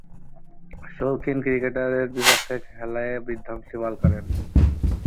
শৌখিন ক্রিকেটারদের বিপক্ষে খেলে বিধ্বংসী বোলিং করেন।